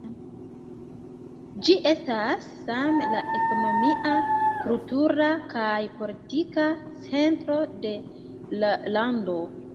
Ĝi estas same la ekonomia, kultura kaj politika centro de la lando.